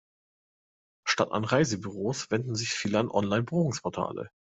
Statt an Reisebüros wenden sich viele an Online-Buchungsportale.